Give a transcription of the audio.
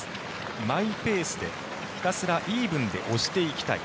マイペースでひたすらイーブンで押していきたい。